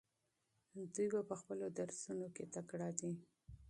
دوی په خپلو درسونو کې تکړه دي.